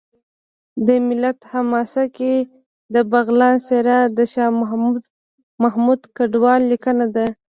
د ملت حماسه کې د بغلان څېره د شاه محمود کډوال لیکنه ده